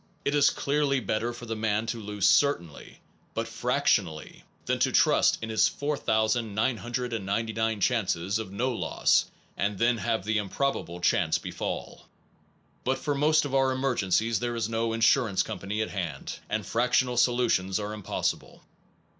It is clearly better for the man to lose certainly, but fractionally, than to trust to his 4999 chances of no loss, and then have the improbable chance befall. But for most of our emergencies there is no insur ance company at hand, and fractional solutions are impossible.